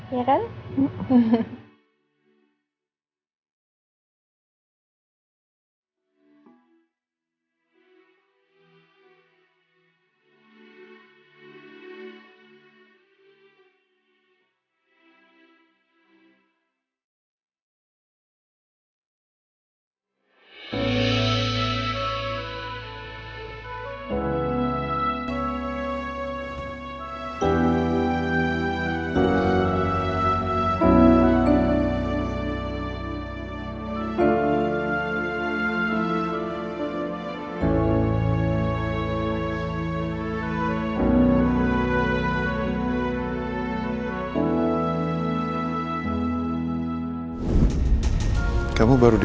ya aku akan jadi